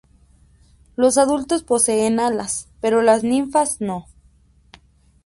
Los adultos poseen alas, pero las ninfas no.